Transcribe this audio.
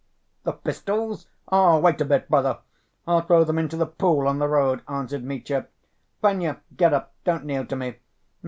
"The pistols? Wait a bit, brother, I'll throw them into the pool on the road," answered Mitya. "Fenya, get up, don't kneel to me.